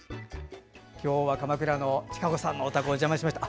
今日は鎌倉の親子さんのお宅にお邪魔しました。